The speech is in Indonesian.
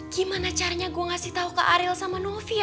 gimana caranya gue ngasih tau ke ariel sama novi